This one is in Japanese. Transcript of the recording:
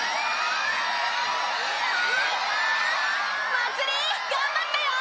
まつり頑張ったよ！